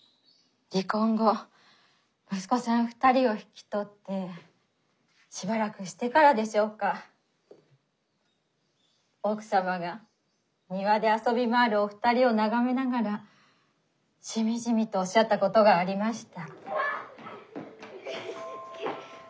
離婚後息子さん２人を引き取ってしばらくしてからでしょうか奥様が庭で遊び回るお二人を眺めながらしみじみとおっしゃったことがありました。